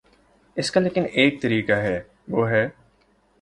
اس کا لیکن ایک طریقہ ہے، وہ ہے۔